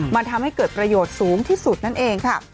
มันทำให้เกิดประโยชน์สูงที่สุดนั่นเองค่ะ